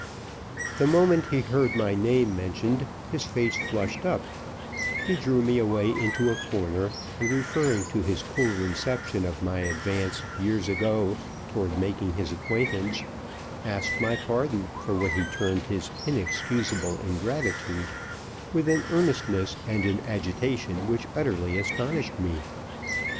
The moment he heard my name mentioned, his face flushed up; he drew me away into a corner, and referring to his cool reception of my advance years ago toward making his acquaintance, asked my pardon for what he termed his inexcusable ingratitude with an earnestness and an agitation which utterly astonished me.